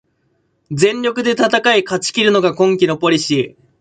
全力で戦い勝ちきるのが今季のポリシー